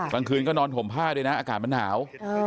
กลางคืนก็นอนห่มผ้าด้วยนะอากาศมันหนาว